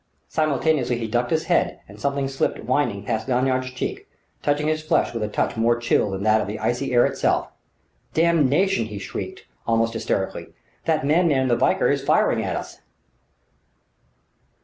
Simultaneously he ducked his head and something slipped whining past Lanyard's cheek, touching his flesh with a touch more chill than that of the icy air itself. "Damnation!" he shrieked, almost hysterically. "That madman in the Valkyr is firing at us!"